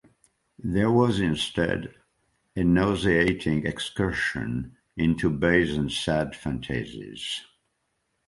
There was, instead, a nauseating excursion into base and sad fantasies.